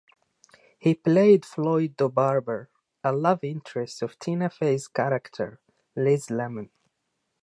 He played Floyd DeBarber, a love interest of Tina Fey's character Liz Lemon.